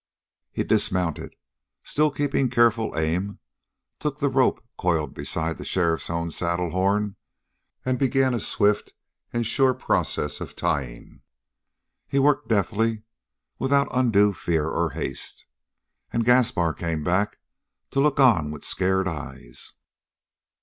He dismounted, still keeping careful aim, took the rope coiled beside the sheriff's own saddle horn and began a swift and sure process of tying. He worked deftly, without undue fear or haste, and Gaspar came back to look on with scared eyes.